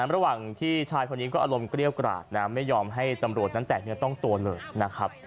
ระหว่างที่ชายคนนี้ก็อารมณ์เกรี้ยวกราดนะไม่ยอมให้ตำรวจนั้นแตกเนื้อต้องตัวเลยนะครับ